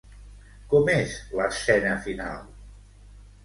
Com és l'escena final?